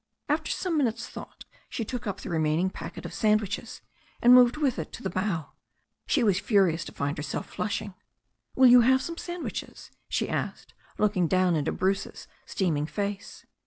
After some minutes' thought she took up the remaining packet of sandwiches and moved with it to the bow. She was furious to find herself flushing. "Will you have some sandwiches?" she asked, looking down into Bruce's steaming face.